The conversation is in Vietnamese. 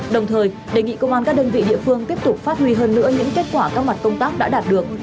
đồng thời đề nghị công an các đơn vị địa phương tiếp tục phát huy hơn nữa những kết quả các mặt công tác đã đạt được